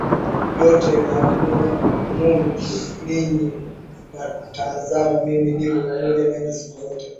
yote niliyoamuru ninyi na tazama mimi nipo pamoja nanyi siku zote